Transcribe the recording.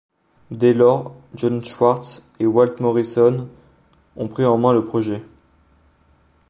Dès lors, Jon Schwartz et Walt Morrison ont pris en main le projet.